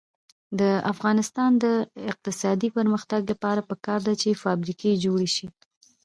د افغانستان د اقتصادي پرمختګ لپاره پکار ده چې فابریکې جوړې شي.